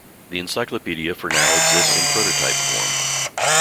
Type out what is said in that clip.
The "Encyclopedia" for now exists in prototype form.